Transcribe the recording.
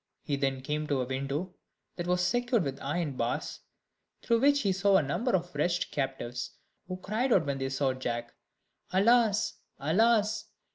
He then came to a window that was secured with iron bars, through which he saw a number of wretched captives, who cried out when they saw Jack: "Alas! alas!